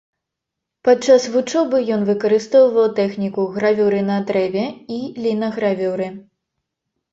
Падчас вучобы ён выкарыстоўваў тэхніку гравюры на дрэве і лінагравюры.